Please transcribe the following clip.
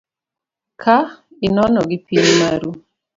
Ka inono gi piny maru.